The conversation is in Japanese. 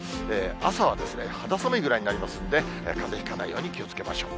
朝は肌寒いくらいになりますんで、かぜひかないように気をつけましょう。